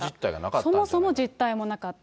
そもそも実態もなかった。